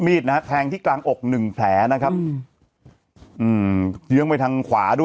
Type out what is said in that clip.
ยังไงยังไงยังไงยังไงยังไงยังไง